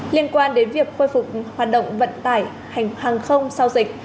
liên quan đến việc khôi phục hoạt động vận tải hành hàng không sau dịch